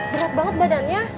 berat banget badannya